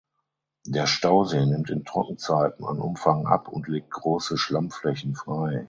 Der Stausee nimmt in Trockenzeiten an Umfang ab und legt große Schlammflächen frei.